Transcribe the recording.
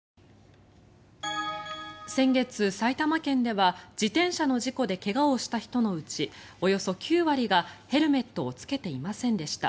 先月、埼玉県では自転車の事故で怪我をした人のうちおよそ９割がヘルメットを着けていませんでした。